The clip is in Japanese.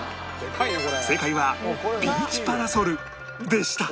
正解はビーチパラソルでした